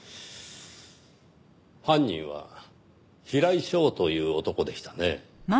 犯人は平井翔という男でしたね。